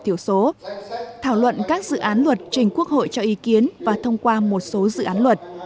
thiểu số thảo luận các dự án luật trình quốc hội cho ý kiến và thông qua một số dự án luật